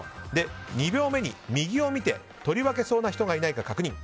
２秒目に右を見て取り分けそうな人がいないか確認。